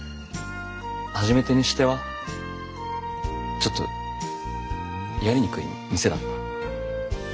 初めてにしてはちょっとやりにくい店だった。